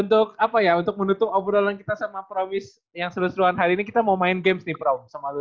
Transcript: untuk apa ya untuk menutup obrolan kita sama promis yang sedul seduluan hari ini kita mau main games nih prom sama lu nih